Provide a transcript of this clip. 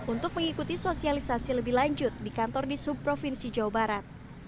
untuk mengikuti sosialisasi lebih lanjut di kantor di subrovinsi jawa barat